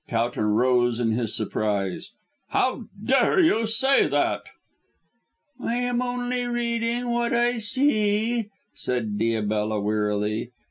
Towton rose in his surprise; "How dare you say that?" "I am only reading what I see," said Diabella wearily.